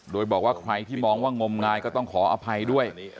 โดยบอกว่าใครที่มองว่างมงายก็ต้องขออภัยด้วย